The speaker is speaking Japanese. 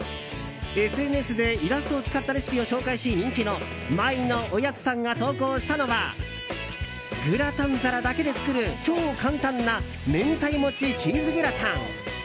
ＳＮＳでイラストを使ったレシピを紹介し人気のまいのおやつさんが投稿したのはグラタン皿だけで作る超簡単な明太餅チーズグラタン。